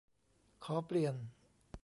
"ขอเปลี่ยน"